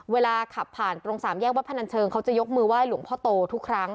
เวลาขับผ่านตรงสามแยกวัดพนันเชิงเขาจะยกมือไห้หลวงพ่อโตทุกครั้ง